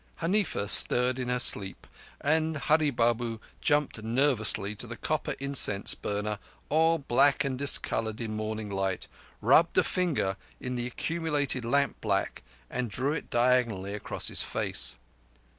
Huneefa stirred in her sleep, and Hurree Babu jumped nervously to the copper incense burner, all black and discoloured in morning light, rubbed a finger in the accumulated lamp black, and drew it diagonally across his face.